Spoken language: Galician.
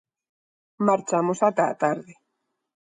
Marchamos ata a tarde.